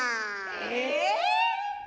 え？